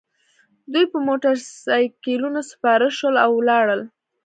دوی په موټرسایکلونو سپاره شول او لاړل